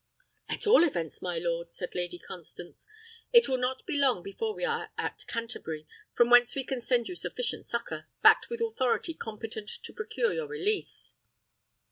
"At all events, my lord," said Lady Constance, "it will not be long before we are at Canterbury, from whence we can send you sufficient succour, backed with authority competent to procure your release."